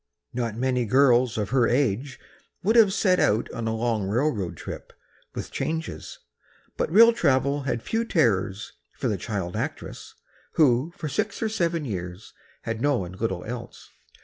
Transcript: Not many girls of her age would have set out on a long railroad trip, with changes, but rail travel had few terrors for the child actress, who for six or seven years had known little else.